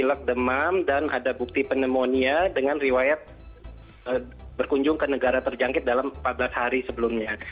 jadi ada bilag demam dan ada bukti pneumonia dengan riwayat berkunjung ke negara terjangkit dalam empat belas hari sebelumnya